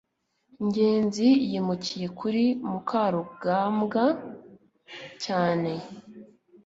ngenzi yimukiye kuri mukarugambwa cyane